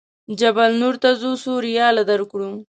جبل نور ته ځو څو ریاله درکړو.